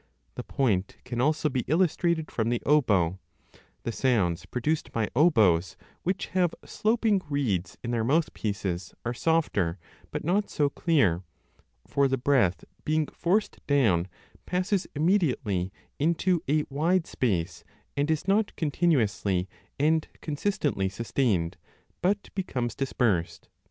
The point can also be illustrated from the oboe ; the sounds produced by oboes which have sloping reeds in their mouthpieces 2 are softer, but not so clear ; for the breath being forced down 35 passes immediately into a wide space and is not continu ously and consistently sustained, but becomes dispersed.